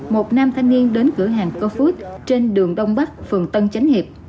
một nam thanh niên đến cửa hàng cofood trên đường đông bắc phường tân chánh hiệp